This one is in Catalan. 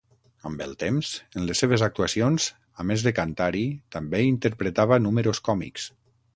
Amb el temps, en les seves actuacions, a més de cantar-hi, també interpretava números còmics.